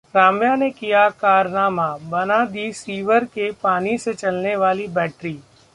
राम्या ने किया कारनामा, बना दी सीवर के पानी से चलने वाली बैट्री